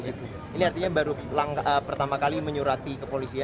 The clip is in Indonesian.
ini artinya baru pertama kali menyurati kepolisian